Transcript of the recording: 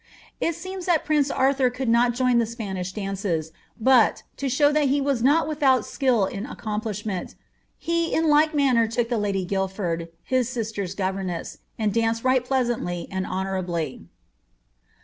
It seems that prince Arthur could not join in the Spanish dances, but, to show that he was not with out skill in the accomplishment, ^ he in like demeanour took the lady Guildford (his sister's governess) and danced right pleasantly and konourably.''